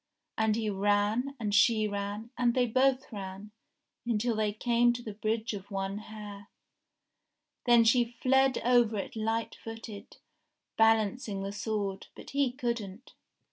And he ran, and she ran, and they both ran, until they came to the Bridge of One Hair. Then she fled over it light footed, balancing the sword, but he couldn't.